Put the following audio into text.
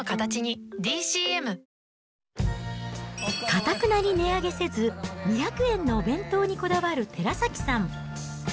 かたくなに値上げせず、２００円のお弁当にこだわる寺崎さん。